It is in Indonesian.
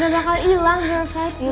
gak bakal ilang verified gue